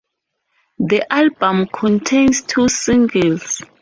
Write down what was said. The album contains two singles.